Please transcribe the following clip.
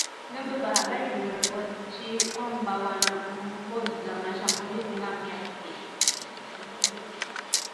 Vyombo vya habari vimeripoti kwamba anaongoza mashambulizi mapya